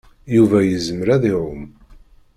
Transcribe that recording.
Yuba yezmer ad iɛum.